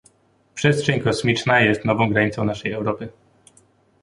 Przestrzeń kosmiczna jest nową granicą naszej Europy